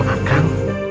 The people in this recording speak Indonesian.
aku juga yakin